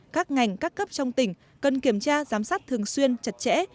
các ngành các cấp trong tỉnh cần kiểm tra giám sát thường xuyên chặt chẽ